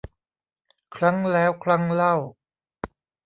ครั้งแล้วครั้งเล่า